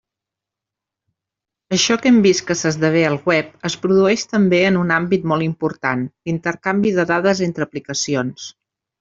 Això que hem vist que s'esdevé al web es produeix també en un àmbit molt important: l'intercanvi de dades entre aplicacions.